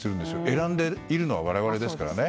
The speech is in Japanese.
選んでいるのは我々ですからね。